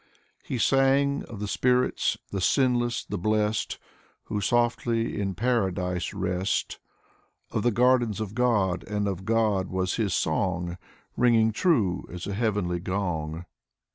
He sang of the spirits, the sinless, the blest, Who softly in Paradise rest. Of the gardens of God, and of God was his song. Ringing true as a heavenly gong.